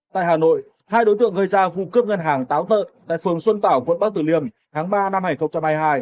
tại hà nội hai đối tượng gây ra vụ cướp ngân hàng táo tợ tại phường xuân tảo quận bắc tử liêm tháng ba năm hai nghìn hai mươi hai